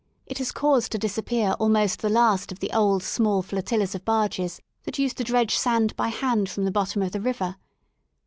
It has caused to disappear almost the last of the old small flotillas of barges that used to dredge sand by hand from the bottom of the river.